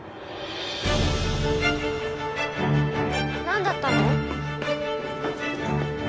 何だったの？